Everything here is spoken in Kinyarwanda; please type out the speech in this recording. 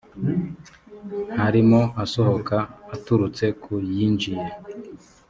harimo asohoka aturutse ku yinjiye